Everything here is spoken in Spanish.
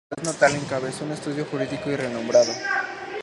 En su ciudad natal encabezó un estudio jurídico renombrado.